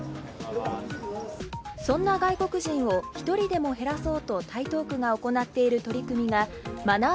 そんな外国人を１人でも減らそうと台東区が行っている取り組みがマナー